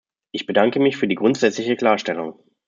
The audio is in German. Ich bedanke mich für die grundsätzliche Klarstellung.